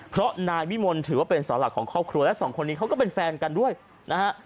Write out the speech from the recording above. เพราะนายวิมลถือว่าเป็นเสาหลักของครอบครัวและสองคนนี้เขาก็เป็นแฟนกันด้วยนะฮะ